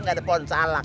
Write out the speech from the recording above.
nggak ada pohon salak